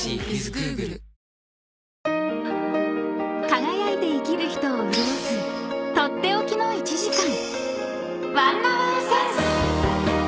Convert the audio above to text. ［輝いて生きる人を潤す取って置きの１時間］